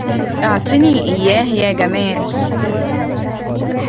أعطِني إيّاه يا جمال.